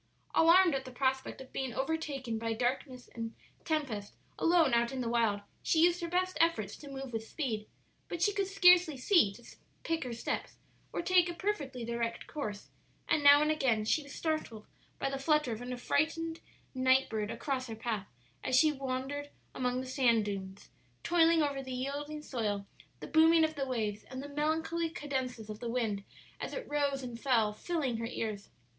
Alarmed at the prospect of being overtaken by darkness and tempest alone out in the wild, she used her best efforts to move with speed; but she could scarcely see to pick her steps or take a perfectly direct course, and now and again she was startled by the flutter of an affrighted night bird across her path as she wandered among the sand dunes, toiling over the yielding soil, the booming of the waves and the melancholy cadences of the wind as it rose and fell filling her ears.